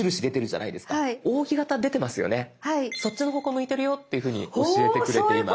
向いてるよっていうふうに教えてくれています。